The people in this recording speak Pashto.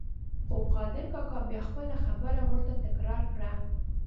خو قادر کاکا بیا خپله خبره ورته تکرار کړه.